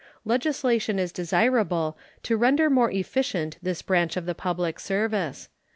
Legislation is desirable to render more efficient this branch of the public service.